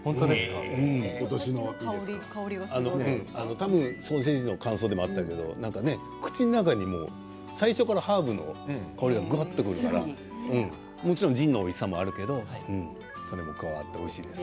多分、ソーセージの感想でもあったけど口の中で最初からハーブの香りがぐっとくるからもちろんジンのおいしさもあるけど加わっておいしいです。